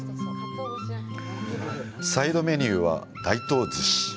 サイドメニューは「大東寿司」。